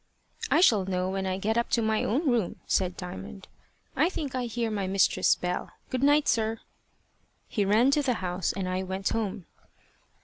"I shall know when I get up to my own room," said Diamond. "I think I hear my mistress's bell. Good night, sir." He ran to the house, and I went home.